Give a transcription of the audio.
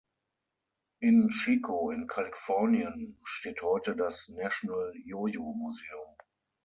In Chico in Kalifornien steht heute das National Yo-Yo Museum.